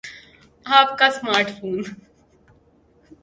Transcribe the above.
آپ کا smart phone